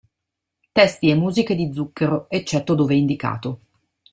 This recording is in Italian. Testi e musiche di Zucchero, eccetto dove indicato.